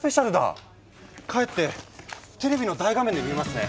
帰ってテレビの大画面で見ますね！